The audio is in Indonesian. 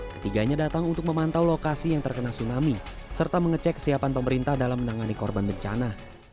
ketiganya datang untuk memantau lokasi yang terkena tsunami serta mengecek kesiapan pemerintah dalam menangani korban bencana